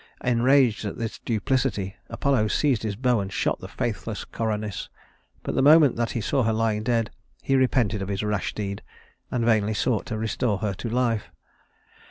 Enraged at this duplicity, Apollo seized his bow and shot the faithless Coronis; but the moment that he saw her lying dead, he repented of his rash deed and vainly sought to restore her to life.